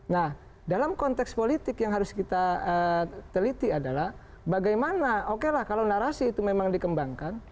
nah dalam konteks politik yang harus kita teliti adalah bagaimana oke lah kalau narasi itu memang dikembangkan